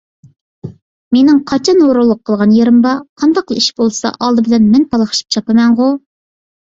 مېنىڭ قاچان ھۇرۇنلۇق قىلغان يېرىم بار؟ قانداقلا ئىش بولسا ئالدى بىلەن مەن پالاقشىپ چاپىمەنغۇ!